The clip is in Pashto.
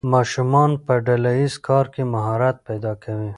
ماشومان په ډله ییز کار کې مهارت پیدا کوي.